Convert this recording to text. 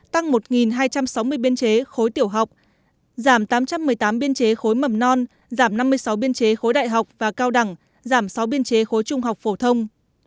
tăng một hai trăm sáu mươi biên chế khối tiểu học giảm tám trăm một mươi tám biên chế khối mầm non giảm năm mươi sáu biên chế khối đại học và cao đẳng giảm sáu biên chế khối trung học phổ thông